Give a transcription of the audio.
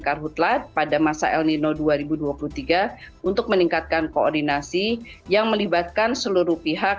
karhutlat pada masa el nino dua ribu dua puluh tiga untuk meningkatkan koordinasi yang melibatkan seluruh pihak